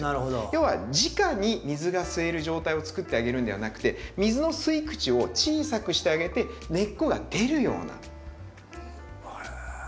要はじかに水が吸える状態を作ってあげるんではなくて水の吸い口を小さくしてあげて根っこが出るような。